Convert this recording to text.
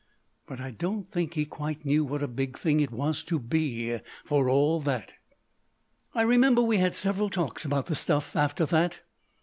But I don't think he quite knew what a big thing it was to be, for all that. I remember we had several talks about the stuff after that.